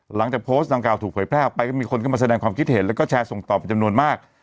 หลังจากโพสต์ดังกล่าถูกเผยแพร่ออกไปก็มีคนเข้ามาแสดงความคิดเห็นแล้วก็แชร์ส่งต่อไปจำนวนมาก